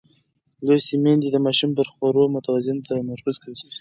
لوستې میندې د ماشوم پر خوړو متوازن تمرکز کوي.